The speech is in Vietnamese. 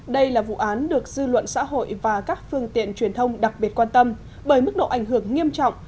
đây là vụ án được dư luận xã hội và các phương tiện truyền thông đặc biệt quan tâm bởi mức độ ảnh hưởng nghiêm trọng